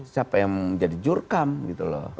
siapa yang menjadi jurkam gitu loh